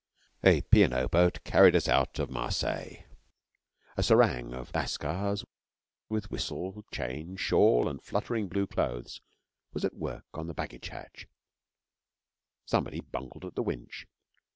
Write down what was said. A P. & O. boat carried us out of Marseilles. A serang of lascars, with whistle, chain, shawl, and fluttering blue clothes, was at work on the baggage hatch. Somebody bungled at the winch.